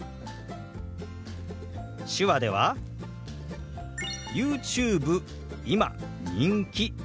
手話では「ＹｏｕＴｕｂｅ今人気」となります。